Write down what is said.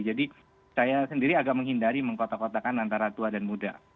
jadi saya sendiri agak menghindari mengkotak kotakan antara tua dan muda